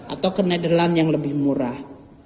atau ke netherlands yang lebih murah